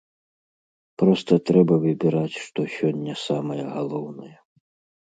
Проста трэба выбіраць, што сёння самае галоўнае.